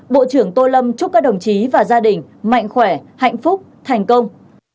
bộ trưởng tô lâm chúc các đồng chí và gia đình mạnh khỏe hạnh phúc thành công